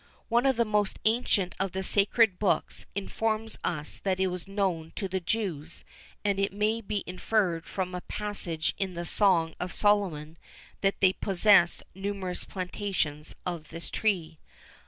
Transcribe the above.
One of the most ancient of the sacred books informs us that it was known to the Jews,[XIV 11] and it may be inferred from a passage in the Song of Solomon that they possessed numerous plantations of this tree.